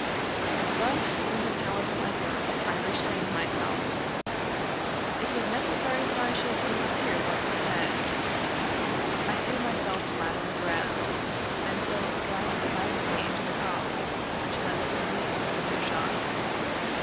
But with a powerful effort I restrained myself. It was necessary that I should overhear what was said. I threw myself flat on the grass, and so glided silently into the copse until I was completely within earshot.